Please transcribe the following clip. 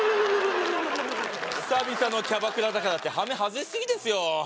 久々のキャバクラだからってはめ外しすぎですよ